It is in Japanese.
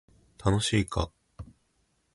楽しいか